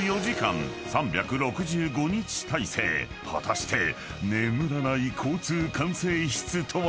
［果たして眠らない交通管制室とは？］